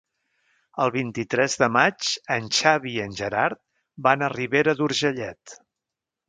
El vint-i-tres de maig en Xavi i en Gerard van a Ribera d'Urgellet.